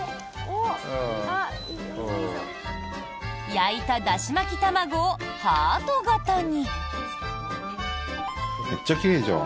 焼いただし巻き卵をハート形に。